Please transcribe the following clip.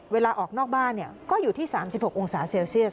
เวลาออกนอกบ้านก็อยู่ที่๓๖องศาเซลเซียส